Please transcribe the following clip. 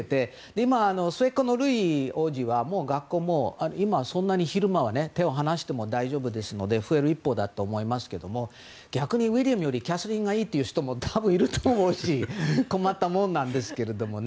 今、末っ子のルイ王子はもう学校で、昼間は手を放しても大丈夫ですので増える一方だと思いますけども逆にウィリアムよりキャサリンがいいという人も多分いると思うし困ったものなんですけどね。